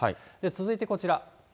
続いてこちら。